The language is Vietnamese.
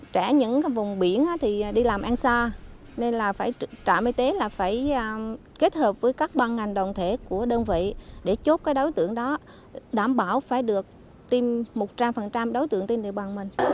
trẻ những vùng biển thì đi làm an xa nên trạm y tế phải kết hợp với các băng ngành đồng thể của đơn vị để chốt đối tượng đó đảm bảo phải được tiêm một trăm linh đối tượng tiêm địa bàn mình